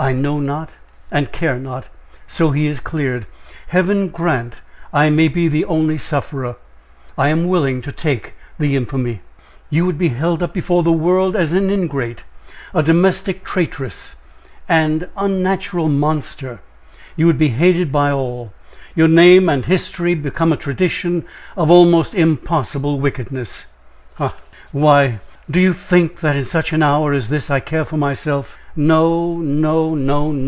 "I know not, and care not, so he is cleared; Heaven grant I may be the only sufferer! I am willing to take the infamy." "You would be held up before the world as an ingrate, a domestic traitress, and unnatural monster. You would be hated of all your name and history become a tradition of almost impossible wickedness." "Ha! why, do you think that in such an hour as this I care for myself? No, no! no, no!